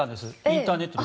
インターネットで。